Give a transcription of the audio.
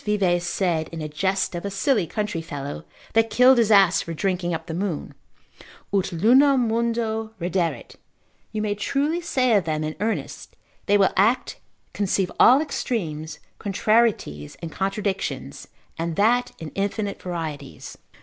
Vives said in a jest of a silly country fellow, that killed his ass for drinking up the moon, ut lunam mundo redderet, you may truly say of them in earnest; they will act, conceive all extremes, contrarieties, and contradictions, and that in infinite varieties.